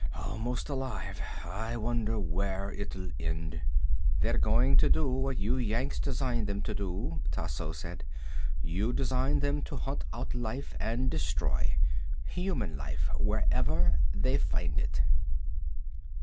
Almost alive. I wonder where it'll end." "They're doing what you Yanks designed them to do," Tasso said. "You designed them to hunt out life and destroy. Human life. Wherever they find it."